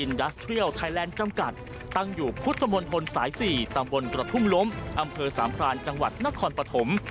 ไทยแลนด์จำกัดตั้งอยู่พุทธมนตรสาย๔ตำบลกระทุ่มล้มอำเภอสามพรานจังหวัดนครปฐม